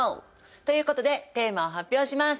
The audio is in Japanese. ということでテーマを発表します。